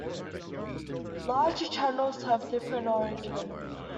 Larger channels have a different origin.